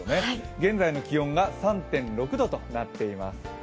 現在の気温が３．６度となっています